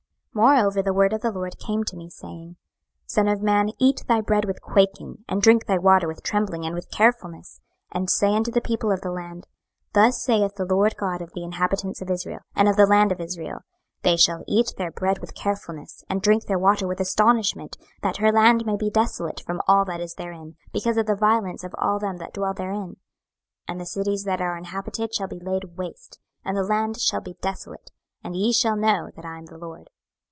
26:012:017 Moreover the word of the LORD came to me, saying, 26:012:018 Son of man, eat thy bread with quaking, and drink thy water with trembling and with carefulness; 26:012:019 And say unto the people of the land, Thus saith the Lord GOD of the inhabitants of Jerusalem, and of the land of Israel; They shall eat their bread with carefulness, and drink their water with astonishment, that her land may be desolate from all that is therein, because of the violence of all them that dwell therein. 26:012:020 And the cities that are inhabited shall be laid waste, and the land shall be desolate; and ye shall know that I am the LORD.